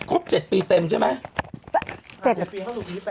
ครบเจ็ดปีเต็มใช่ไหมเจ็ดไป